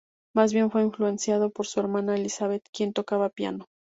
Más bien fue influenciado por su hermana Elizabeth, quien tocaba piano.